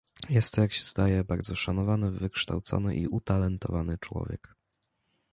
"Jest to, jak się zdaje, bardzo szanowany, wykształcony i utalentowany człowiek."